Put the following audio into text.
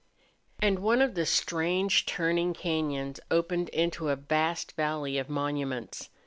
And one of the strange turning cañons opened into a vast valley of monuments.